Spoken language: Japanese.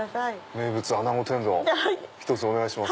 名物穴子天丼お願いします。